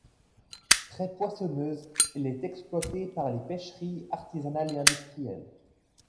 Très poissonneuse, elle est exploitée par les pêcheries artisanales et industrielles.